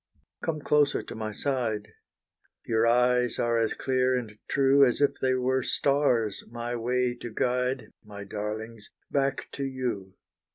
Come closer to my side, Your eyes are as clear and true As if they were stars my way to guide, My darlings, back to you.